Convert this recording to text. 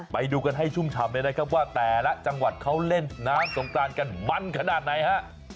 ไปดูกันให้ชุ่มฉ่ำเลยนะครับว่าแต่ละจังหวัดเขาเล่นน้ำสงกรานกันมันขนาดไหนฮะ